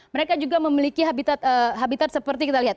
mereka juga memiliki habitat seperti kita lihat